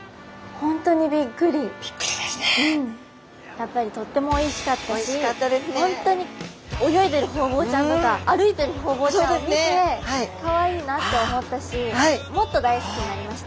やっぱりとってもおいしかったし本当に泳いでるホウボウちゃんとか歩いてるホウボウちゃんを見てかわいいなって思ったしもっと大好きになりました。